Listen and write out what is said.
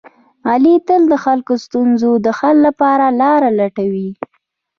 علي تل د خلکو د ستونزو د حل لپاره لاره لټوي.